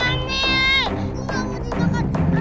aduh tolong adam